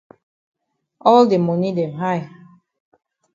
All de moni dem high.